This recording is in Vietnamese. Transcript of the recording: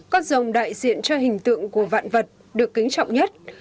con rồng đại diện cho hình tượng của vạn vật được kính trọng nhất